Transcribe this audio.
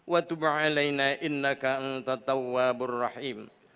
wa tub'alaina innaka anta tawwabur rahim